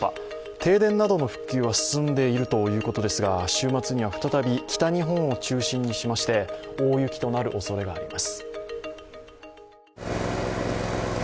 停電などの復旧は進んでいるということですが週末には再び北日本を中心にしまして大雪となるおそれがあります。